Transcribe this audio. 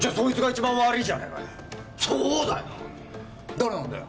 誰なんだよ？